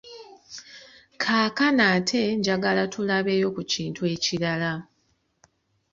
Kaakano ate njagala tulabeyo ku kintu ekirala.